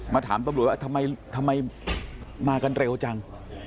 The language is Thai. ถามตำรวจว่าทำไมมากันเร็วจัง